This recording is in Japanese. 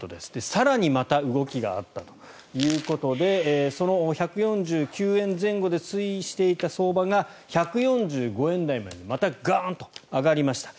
更にまた動きがあったということでその１４９円前後で推移していた相場が１４５円台までまたガーンと上がりました。